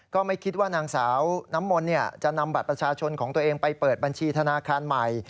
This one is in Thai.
ก็ไม่คิดว่านางสาวน้ำมนต์จะนำบัตรประชาชนของตัวเองไปเปิดบัญชีธนาคารใหม่